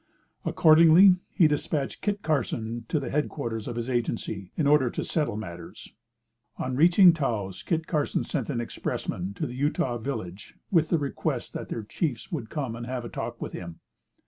Accordingly, he dispatched Kit Carson to the head quarters of his Agency, in order to settle matters. On reaching Taos, Kit Carson sent an expressman to the Utah village with the request that their chiefs would come and have a talk with him.